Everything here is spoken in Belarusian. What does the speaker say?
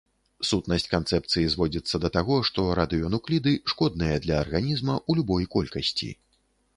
Сутнасць канцэпцыі зводзіцца да таго, што радыенукліды шкодныя для арганізма ў любой колькасці.